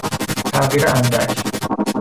تغییر اندک